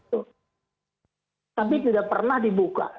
tapi tidak pernah dibuka